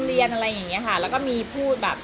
ไปอยู่กับกิจกรรม